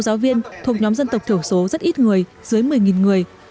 sáu giáo viên thuộc nhóm dân tộc thiểu số rất ít người dưới một mươi người